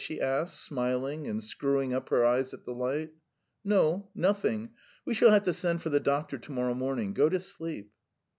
she asked, smiling and screwing up her eyes at the light. "No, nothing. We shall have to send for the doctor to morrow morning. Go to sleep."